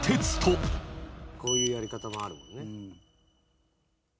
こういうやり方もあるもんね。